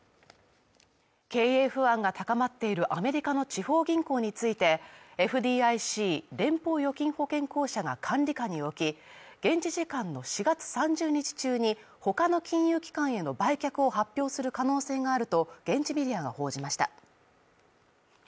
経営不安が高まっているアメリカの地方銀行について、ＦＤＩＣ＝連邦預金保険公社が管理下に置き、現地時間の４月３０日中に他の金融機関への売却を発表する可能性があると現地メディアが報じました。